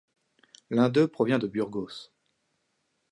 L'un d'eux provient de Burgos.